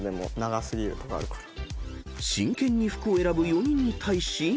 ［真剣に服を選ぶ４人に対し］